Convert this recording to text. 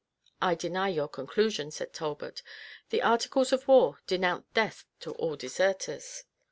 "I deny your conclusion," said Talbot; "the articles of war denounce death to all deserters."